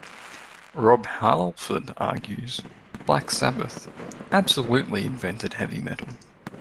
Rob Halford argues:Black Sabbath absolutely invented heavy metal.